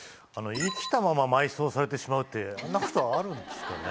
生きたまま埋葬されてしまうって、そんなことあるんですかね。